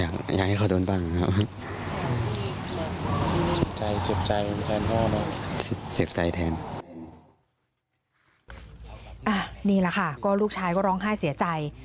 นี่แหละค่ะก็ลูกชายก็ร้องไห้เสียใจ